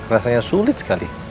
rasanya sulit sekali